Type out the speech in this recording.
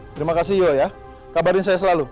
terima kasih yul ya kabarin saya selalu